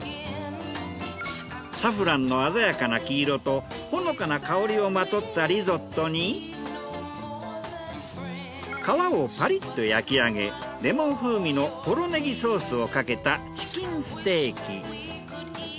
サフランの鮮やかな黄色とほのかな香りをまとったリゾットに皮をパリッと焼きあげレモン風味のポロネギソースをかけたチキンステーキ。